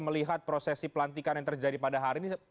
melihat prosesi pelantikan yang terjadi pada hari ini